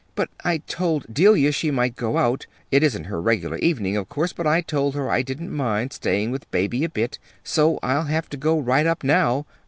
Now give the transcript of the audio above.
"But I told Delia she might go out. It isn't her regular evening, of course, but I told her I didn't mind staying with Baby a bit. So I'll have to go right up now.